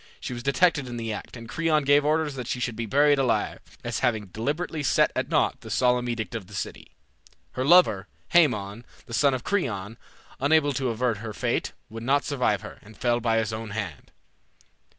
She was detected in the act, and Creon gave orders that she should be buried alive, as having deliberately set at naught the solemn edict of the city. Her lover, Haemon, the son of Creon, unable to avert her fate, would not survive her, and fell by his own hand.